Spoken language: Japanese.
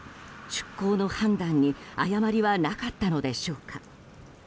出港の判断に誤りはなかったのでしょうか。